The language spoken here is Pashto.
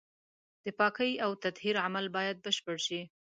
د پاکۍ او تطهير عمل بايد بشپړ شي.